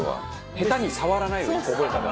「下手に触らない」を１個覚えたから。